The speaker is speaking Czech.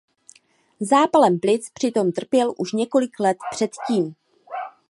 Zápalem plic přitom trpěl už několik let předtím.